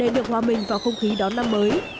để được hòa mình vào không khí đón năm mới